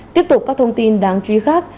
tiếp tục các thông tin đáng chú ý khác